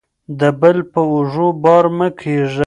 د بل په اوږو بار مه کیږئ.